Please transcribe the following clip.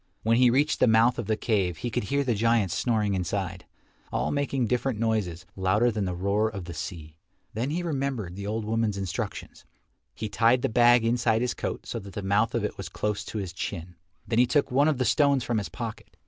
When he reached the mouth of the cave he could hear the giants snoring inside, all making different noises, louder than the roar of the sea. Then he remembered the old woman's instructions. He tied the bag inside his coat so that the mouth of it was close to his chin. Then he took one of the stones from his pocket.